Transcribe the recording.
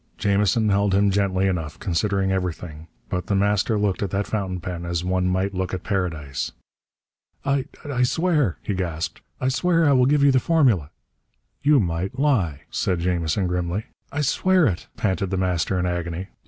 Jamison held him gently enough, considering everything, but The Master looked at that fountain pen as one might look at Paradise. "I I swear," he gasped. "I swear I will give you the formula!" "You might lie," said Jamison grimly. "I swear it!" panted The Master in agony.